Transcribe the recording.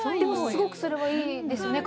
すごくそれはいいですね